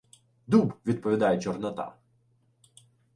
— Дуб! — відповідає Чорнота.